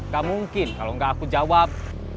gak mungkin kalau nggak aku jawab